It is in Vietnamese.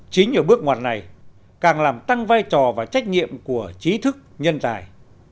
chính ở bước ngoặt này càng làm tăng vai trò và trách nhiệm của trí thức nhân tài